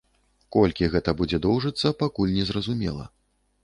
Колькі гэта будзе доўжыцца, пакуль незразумела.